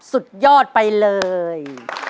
สุดยอดไปเลย